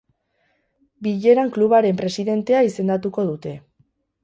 Bileran klubaren presidentea izendatuko dute.